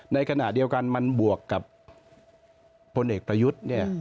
ในขณะเดียวกันมันบวกกับพลเอกประยุทธ์เนี่ย